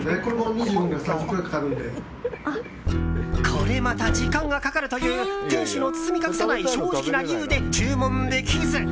これまた時間がかかるという店主の包み隠さない正直な理由で注文できず。